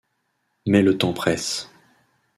Mais le temps presse.